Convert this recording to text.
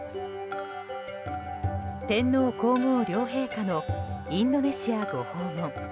天皇・皇后両陛下のインドネシアご訪問。